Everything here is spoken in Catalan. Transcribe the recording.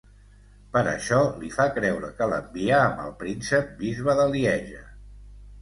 Per això li fa creure que l'envia amb el príncep-bisbe de Lieja.